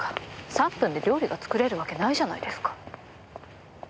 ３分で料理が作れるわけないじゃないですか。